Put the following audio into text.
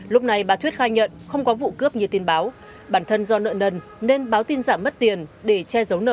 lúc này bà thuyết khai nhận không có vụ cướp như tin báo bản thân do nợ nần nên báo tin giảm mất tiền để che giấu nợ